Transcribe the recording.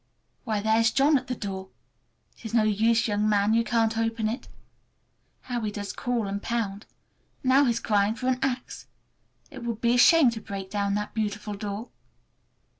Why, there's John at the door! It is no use, young man, you can't open it! How he does call and pound! Now he's crying for an axe. It would be a shame to break down that beautiful door!